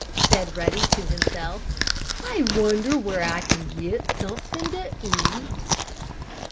said Ruddy to himself. "I wonder where I can get something to eat?"